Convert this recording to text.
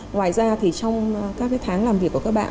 ngoài ra thì trong các tháng làm việc của các bạn